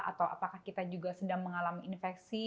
atau apakah kita juga sedang mengalami infeksi